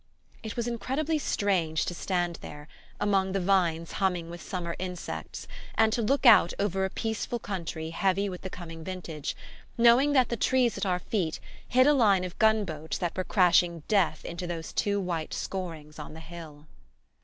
It was incredibly strange to stand there, among the vines humming with summer insects, and to look out over a peaceful country heavy with the coming vintage, knowing that the trees at our feet hid a line of gun boats that were crashing death into those two white scorings on the hill.